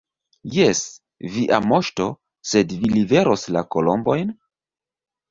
Jes, Via Moŝto, sed vi liveros la kolombojn?